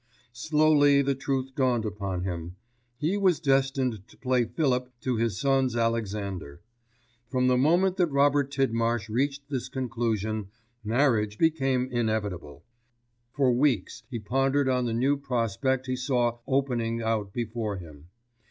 Slowly the truth dawned upon him; he was destined to play Philip to his son's Alexander. From the moment that Robert Tidmarsh reached this conclusion marriage became inevitable. For weeks he pondered on the new prospect he saw opening out before him.